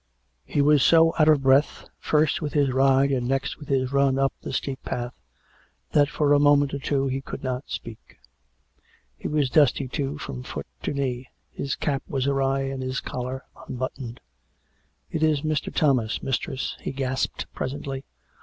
He was so out of breath, first with his ride and next with his run up the steep path, that for a moment or two he could not speak. He was dusty, too, from foot to knee ; his cap was awry and his collar unbuttoned. " It is Mr. Thomas, mistress," he gasped presently.